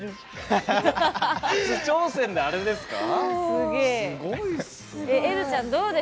初挑戦であれですか？